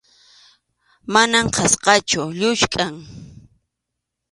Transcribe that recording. Mana qhachqachu, lluskʼam.